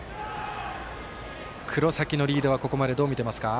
黒崎のリードはここまで、どう見ていますか？